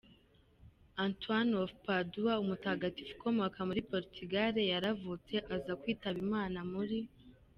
Anthony of Padua, umutagatifu ukomoka muri Portugal yaravutse aza kwitaba Imana muri .